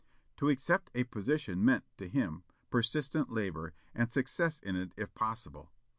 To accept a position meant, to him, persistent labor, and success in it if possible.